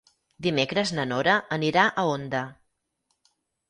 Dimecres na Nora anirà a Onda.